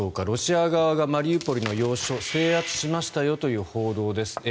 ロシア側がマリウポリの要衝を制圧しましたよという報道です。